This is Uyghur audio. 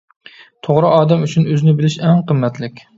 توغرا، ئادەم ئۈچۈن ئۆزىنى بىلىش ئەڭ قىممەتلىك.